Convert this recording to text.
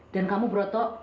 dan kamu broto